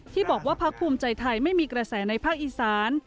ที่บอกว่าพักภูมิใจไทยไม่มีกระแสในภาคอีสาน